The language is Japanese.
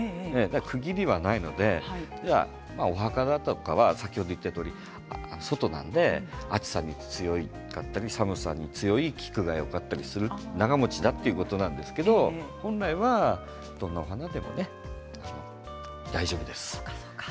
区切りがないのでお墓だとかは先ほど言ったとおり外なので暑さに強かったり寒さに強い菊がよかったり長もちだということなんですけど本来ならどんなお花でもね大丈夫です。